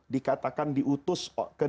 dikatakan diutus ke dunia nya allah